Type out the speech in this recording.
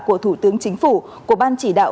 của thủ tướng chính phủ của ban chỉ đạo